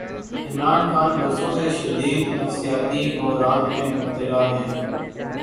عمران خان برسوں سے شدید نفسیاتی بحران میں مبتلا ہیں۔